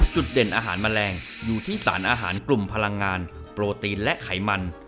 จุดเด่นอาหารแมลงอยู่ที่สารอาหารกลุ่มพลังงานโปรตีนและไขมัน